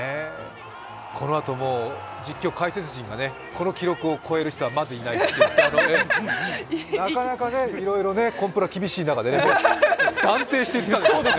このあとも実況、解説陣がこの記録を超える人はまずいないってなかなかね、コンプラ厳しい中で断定してきましたからね。